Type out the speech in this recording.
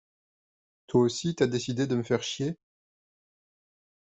Toi aussi t’as décidé de me faire chier?